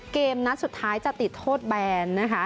เกมนัดสุดท้ายจะติดโทษแบนนะคะ